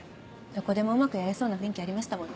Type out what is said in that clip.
どこでもうまくやれそうな雰囲気ありましたもんね。